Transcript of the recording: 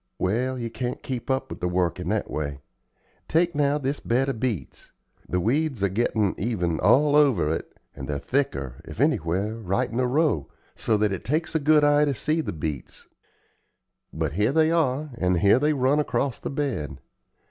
Well, you can't keep up with the work in that way. Take now this bed of beets; the weeds are gettin' even all over it, and they're thicker, if anywhere, right in the row, so that it takes a good eye to see the beets. But here they are, and here they run across the bed.